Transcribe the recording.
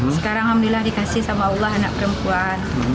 sekarang alhamdulillah dikasih sama allah anak perempuan